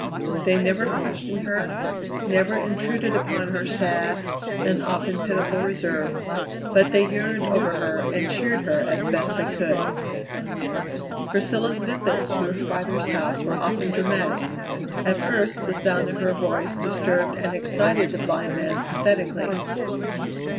They never questioned her; never intruded upon her sad, and often pitiful, reserve; but they yearned over her and cheered her as best they could. Priscilla's visits to her father's house were often dramatic. At first the sound of her voice disturbed and excited the blind man pathetically.